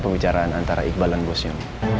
pembicaraan antara iqbal dan gusnya